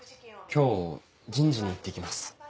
今日人事に行って来ます